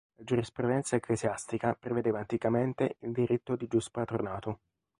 La giurisprudenza ecclesiastica prevedeva anticamente il diritto di giuspatronato.